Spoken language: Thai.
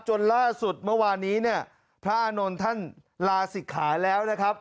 จนล่าสุดเมื่อวานนี้เนี่ยพระอานนท์ท่านลาศิกขาแล้วนะครับ